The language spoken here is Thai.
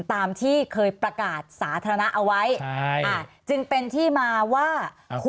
ตามที่เคยประกาศสาธารณะเอาไว้ใช่อ่าจึงเป็นที่มาว่า